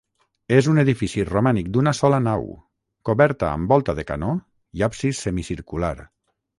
És un edifici romànic d'una sola nau, coberta amb volta de canó, i absis semicircular.